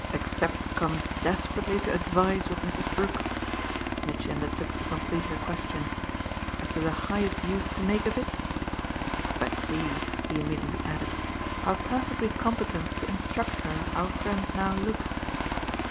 "Except come desperately to advise with Mrs. Brook" Mitchy undertook to complete her question "as to the highest use to make of it? But see," he immediately added, "how perfectly competent to instruct her our friend now looks."